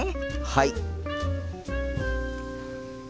はい！